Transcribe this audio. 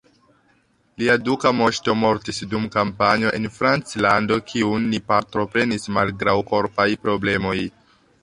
Lia duka moŝto mortis dum kampanjo en Franclando kiun li partoprenis malgraŭ korpaj problemoj.